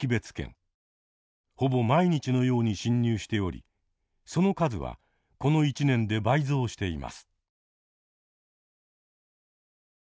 ほぼ毎日のように進入しておりその数はこの一年で倍増しています。